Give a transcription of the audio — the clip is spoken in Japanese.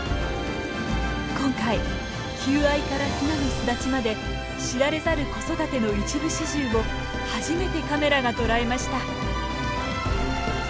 今回求愛からヒナの巣立ちまで知られざる子育ての一部始終を初めてカメラが捉えました。